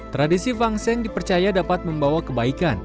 tradisi fang seng dipercaya dapat membawa kebaikan